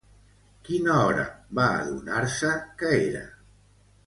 Quina hora va adonar-se que era?